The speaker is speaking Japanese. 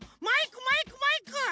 マイクマイクマイク。